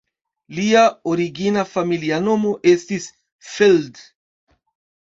Lia origina familia nomo estis "Feld".